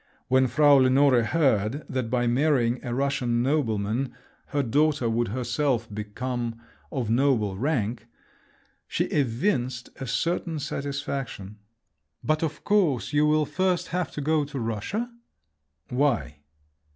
When Frau Lenore heard that by marrying a Russian nobleman, her daughter would herself become of noble rank, she evinced a certain satisfaction. "But, of course, you will first have to go to Russia?" "Why?" "Why?